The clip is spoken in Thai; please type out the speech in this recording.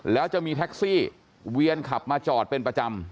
แล้วจะมีแท็กซี่เวียนขับมาจอดเป็นประจำ